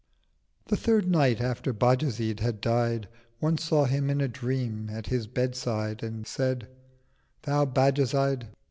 The third night after Bajazyd had died, One saw him, in a dream, at his Bedside, And said, 'Thou Bajazyd?